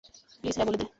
Please হ্যাঁ বল দে!